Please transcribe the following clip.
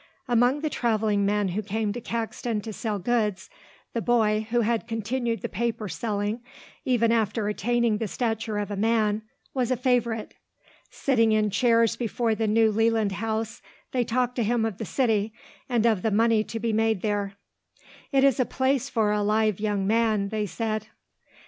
Among the travelling men who came to Caxton to sell goods, the boy, who had continued the paper selling even after attaining the stature of a man, was a favourite. Sitting in chairs before the New Leland House they talked to him of the city and of the money to be made there. "It is the place for a live young man," they said.